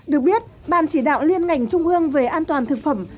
được biết ban chỉ đạo liên ngành trung ương về an toàn thực phẩm